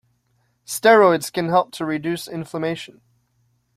Steroids can help to reduce inflammation.